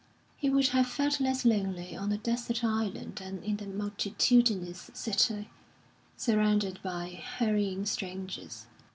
He would have felt less lonely on a desert island than in the multitudinous city, surrounded by hurrying strangers.